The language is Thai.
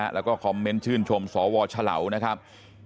แล้วก็คอมเมนต์ชื่นชมสวฉลาวนะครับ